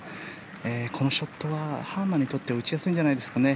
このショットはハーマンにとっては打ちやすいんじゃないですかね。